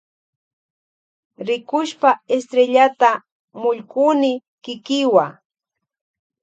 Rikushpa estrellata mullkuni kikiwa.